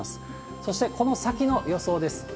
そして、この先の予想です。